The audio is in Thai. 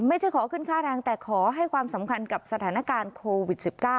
ไม่ใช่ขอขึ้นค่าแรงแต่ขอให้ความสำคัญกับสถานการณ์โควิด๑๙